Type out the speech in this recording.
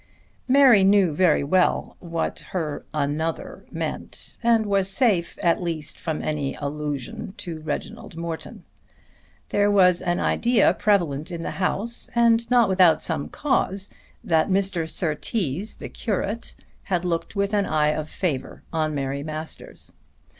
Mary knew very well what her mother meant and was safe at least from any allusion to Reginald Morton. There was an idea prevalent in the house, and not without some cause, that Mr. Surtees the curate had looked with an eye of favour on Mary Masters.